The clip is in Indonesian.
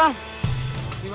aduh aduh aduh aduh